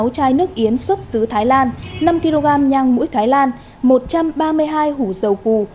sáu chai nước yến xuất xứ thái lan năm kg nhang mũi thái lan một trăm ba mươi hai hủ dầu cù